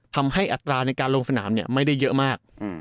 ทำให้อัตราในการลงสนามเนี่ยไม่ได้เยอะมาก